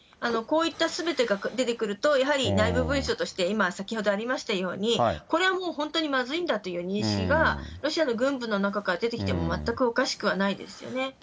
こういったすべてが出てくると、やはり内部文書として、今、先ほどありましたように、これはもう本当にまずいんだという認識が、ロシアの軍部の中から出てきても全くおかしくはないですよね。